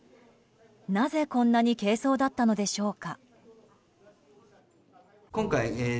なぜこんなに軽装だったのでしょうか。